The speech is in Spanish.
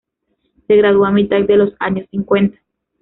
Se graduó a mitad de los años cincuenta.